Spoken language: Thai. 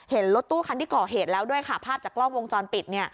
รถตู้คันที่ก่อเหตุแล้วด้วยค่ะภาพจากกล้องวงจรปิดเนี่ย